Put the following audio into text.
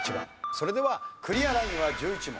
それではクリアラインは１１問。